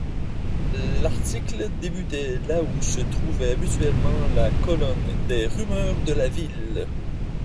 L'article débutait là où se trouvait habituellement la colonne des rumeurs de la ville.